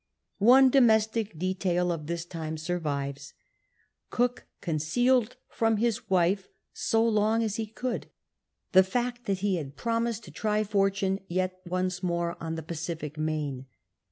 One domestic detail of this time survives. Cook concealed from his wife so long as he could the fact that he had promised to try fortune yet once more on the Pacific Main.